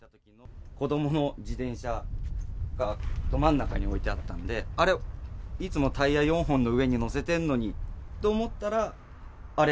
子どもの自転車がど真ん中に置いてあったんで、あれ、いつもタイヤ４本の上に載せてるのにと思ったら、あれ？